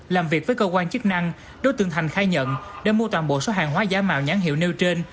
làm việc với cơ quan chức năng đối tượng thành khai nhận đã mua toàn bộ số hàng hóa giả mạo nhãn hiệu nêu trên